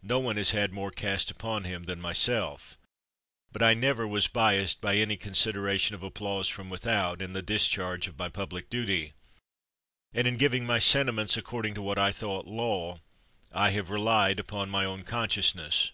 No one has had more cast upon him than myself ; but I never was biased by any consideration of applause from without, in the discharge of my public duty, and in giving my sentiments ac cording to what I thought law, I have relied upon my own consciousness.